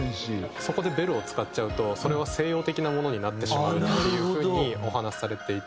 そこでベルを使っちゃうとそれは西洋的なものになってしまうっていう風にお話しされていて。